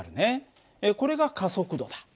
これが加速度だ。